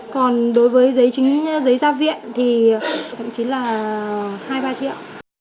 còn đối với giấy gia viện thì tậm chí là hai ba triệu